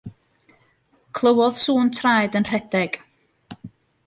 Clywodd sŵn traed yn rhedeg.